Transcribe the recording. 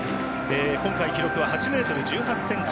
今回、記録は８ｍ１８ｃｍ。